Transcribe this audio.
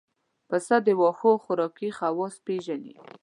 پسه د واښو خوراکي خواص پېژني.